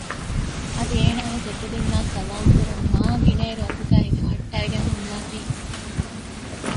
އަދި އޭނާވެސް އެކުދިންނާ ސަލާމް ކުރަން މާ ގިނައިރު އަތުގައި ހިފަހައްޓައިގެން ހުންނާތީ